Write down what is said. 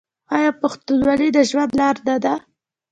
آیا پښتونولي د ژوند لاره نه ده؟